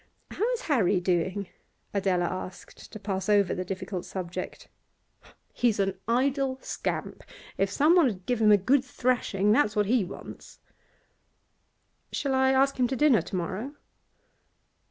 'How is Harry doing? 'Adela asked, to pass over the difficult subject. 'He's an idle scamp! If some one 'ud give him a good thrashing, that's what he wants.' 'Shall I ask him to dinner to morrow?